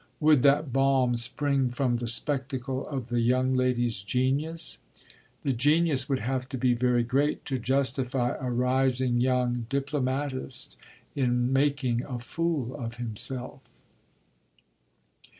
Would that balm spring from the spectacle of the young lady's genius? The genius would have to be very great to justify a rising young diplomatist in making a fool of himself.